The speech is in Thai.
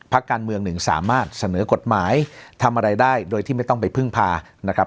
การเมืองหนึ่งสามารถเสนอกฎหมายทำอะไรได้โดยที่ไม่ต้องไปพึ่งพานะครับ